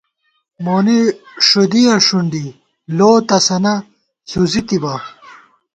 مونی ݭُدِیَہ ݭُنڈی لو تسَنہ ݪُزِی تِبہ